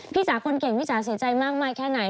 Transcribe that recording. จ๋าคนเก่งพี่จ๋าเสียใจมากมายแค่ไหน